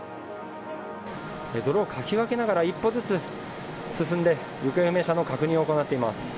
泥をかき分けながら１歩ずつ進んで行方不明者の確認を行っています。